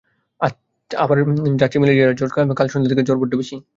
আবার যাচ্ছে-ম্যালেরিয়ার জ্বর, কাল সন্দে থেকে জ্বর বড্ড বেশি।